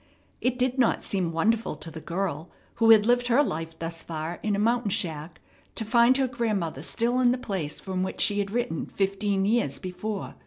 It did not seem wonderful to the girl, who had lived her life thus far in a mountain shack, to find her grandmother still in the place from which she had written fifteen years before.